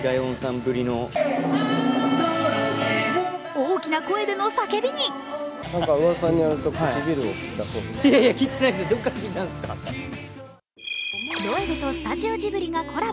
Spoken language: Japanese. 大きな声での叫びにロエベとスタジオジブリがコラボ。